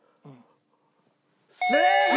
正解！